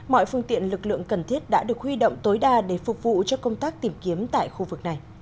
mọi phương tiện lực lượng cần thiết đã được huy động tối đa để phục vụ cho công tác tìm kiếm tại khu vực này